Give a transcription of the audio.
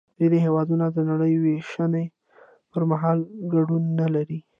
ځینې هېوادونه د نړۍ وېشنې پر مهال ګډون نلري